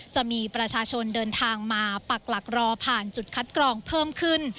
จะมีประชาชนเดินทางมาปักหลักรอผ่านจุดคัดกรองเพิ่มขึ้น